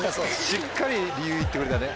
しっかり理由言ってくれたね。